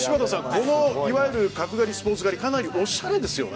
このいわゆる角刈りスポーツ刈りかなりおしゃれですよね。